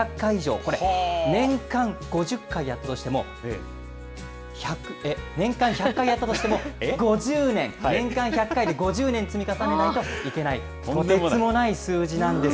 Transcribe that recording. これ、年間５０回やったとしても、年間１００やったとしても、５０年、年間１００回で５０年積み重ねないといけない、とてつもない数字なんです。